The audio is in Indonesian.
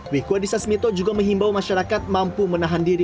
wikuadisa smito juga menghimbau masyarakat mampu menahan diri